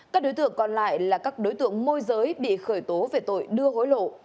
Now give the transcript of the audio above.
các đối tượng còn lại là các đối tượng môi giới bị khởi tố về tội đưa hối lộ